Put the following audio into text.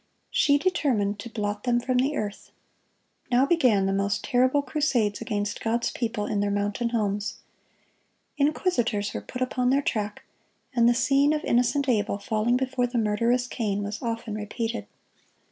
She determined to blot them from the earth. Now began the most terrible crusades against God's people in their mountain homes. Inquisitors were put upon their track, and the scene of innocent Abel falling before the murderous Cain was often repeated.